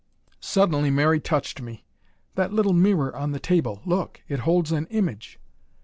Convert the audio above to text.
Suddenly, Mary touched me. "That little mirror on the table look! It holds an image!"